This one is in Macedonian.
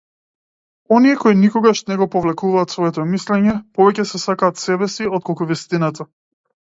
Оние кои никогаш не го повлекуваат своето мислење, повеќе се сакаат себеси отколку вистината.